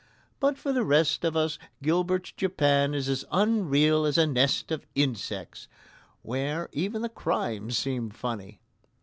But for the rest of us Gilbert's Japan is as unreal as a nest of insects, where even the crimes seem funny.